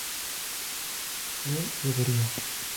él bebería